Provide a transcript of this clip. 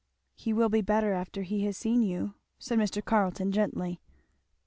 "He will be better after he has seen you," said Mr. Carleton gently.